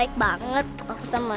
itu kan tuyul gimba